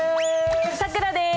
さくらです。